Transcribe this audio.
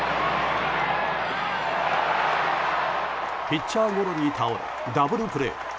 ピッチャーゴロに倒れダブルプレー。